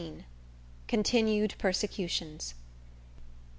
XV. Continued Persecutions.